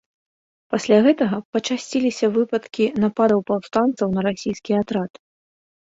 Пасля гэтага пачасціліся выпадкі нападаў паўстанцаў на расійскі атрад.